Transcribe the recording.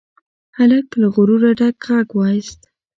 هلک له غروره ډک غږ واېست.